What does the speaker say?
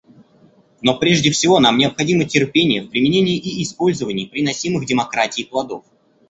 Но прежде всего нам необходимо терпение в применении и использовании приносимых демократией плодов.